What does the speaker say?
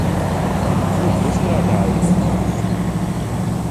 Kur tu strādāji?